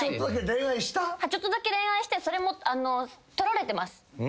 ちょっとだけ恋愛してそれも撮られてます。